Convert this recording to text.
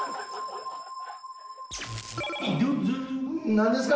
何ですか？